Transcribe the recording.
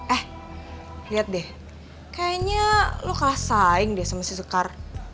eh liat deh kayaknya lo kalah saing deh sama si soekar